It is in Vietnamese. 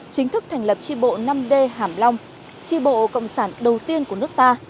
chính thức thành lập tri bộ năm d hàm long tri bộ cộng sản đầu tiên của nước ta